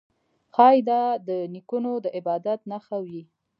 ښايي دا د نیکونو د عبادت نښه وي